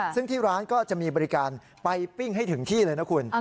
ซึ่งที่ร้านก็จะมีบริการไปปิ้งให้ถึงที่เลยนะคุณ